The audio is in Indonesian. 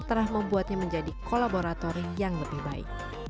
telah membuatnya menjadi kolaborator yang lebih baik